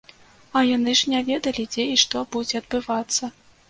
А яны ж не ведалі дзе і што будзе адбывацца.